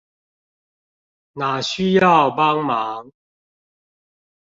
哪需要幫忙